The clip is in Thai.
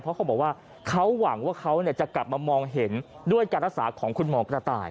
เพราะเขาบอกว่าเขาหวังว่าเขาจะกลับมามองเห็นด้วยการรักษาของคุณหมอกระต่าย